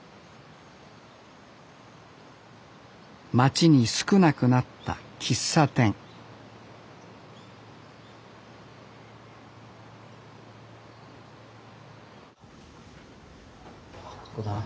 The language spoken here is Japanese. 町に少なくなった喫茶店ここだな。